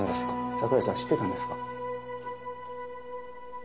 桜井さん知ってたんですか？